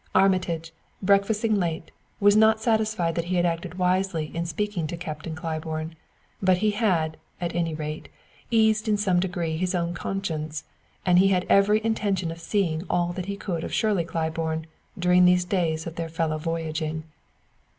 Armitage, breakfasting late, was not satisfied that he had acted wisely in speaking to Captain Claiborne; but he had, at any rate, eased in some degree his own conscience, and he had every intention of seeing all that he could of Shirley Claiborne during these days of their fellow voyaging.